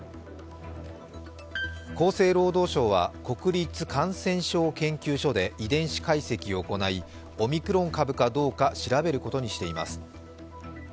厚生労働省は国立感染症研究所で遺伝子解析を行い、オミクロン株かどうか調べることにしています。